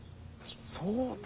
そうだ！